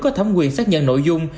có thẩm quyền xác nhận nội dung